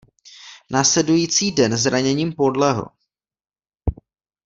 Následující den zraněním podlehl.